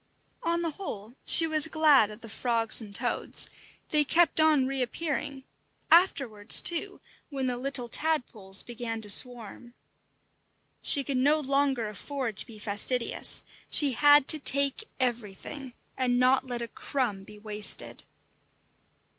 On the whole she was glad of the frogs and toads; they kept on reappearing, afterwards too, when the little tadpoles began to swarm. She could no longer afford to be fastidious; she had to take everything, and not let a crumb be wasted.